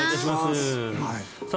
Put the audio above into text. さあ